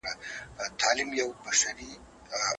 مهمه ده د هغو کسانو شتون چې غواړئ درسره وي.